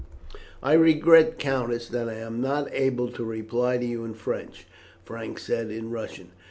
] "I regret, countess, that I am not able to reply to you in French," Frank said in Russian.